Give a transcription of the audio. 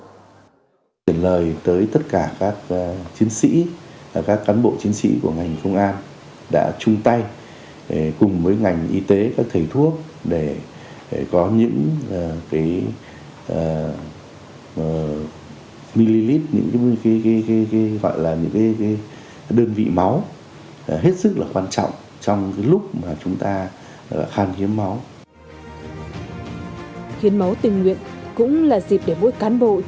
đồng chí nguyễn quốc huy tổng cục an ninh tổng cục an ninh tổng cục an ninh tổng cục an ninh tổng cục an ninh tổng cục an ninh tổng cục an ninh tổng cục an ninh tổng cục an ninh tổng cục an ninh tổng cục an ninh tổng cục an ninh tổng cục an ninh tổng cục an ninh tổng cục an ninh tổng cục an ninh tổng cục an ninh tổng cục an ninh tổng cục an ninh tổng cục an ninh tổng cục an ninh